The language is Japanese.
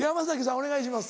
お願いします。